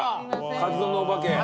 カツ丼のお化け。